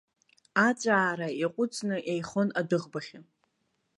Аҵәаара иаҟәыҵны еихон адәыӷбагьы.